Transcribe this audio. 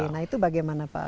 nah itu bagaimana pak